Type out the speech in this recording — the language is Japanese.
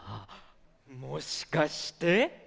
もしかして。